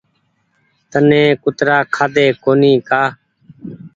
تني ڪترآ کآۮي ڪونيٚ ڪآ